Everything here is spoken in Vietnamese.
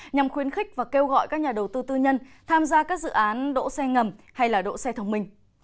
nhằm khuyến khích và kêu gọi các nhà đầu tư tư nhân tham gia các dự án đỗ xe ngầm hay đỗ xe thông minh